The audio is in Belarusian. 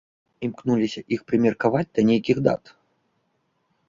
Імкнуліся іх прымеркаваць да нейкіх дат.